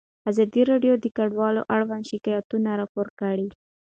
ازادي راډیو د کډوال اړوند شکایتونه راپور کړي.